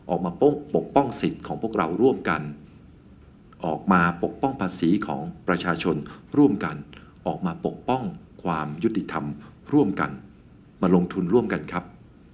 ออกมาปกป้องสิทธิ์ของพวกเราร่วมกันออกมาปกป้องภาษีของประชาชนร่วมกันออกมาปกป้องความยุติธรรมร่วมกันมาลงทุนร่วมกันครับ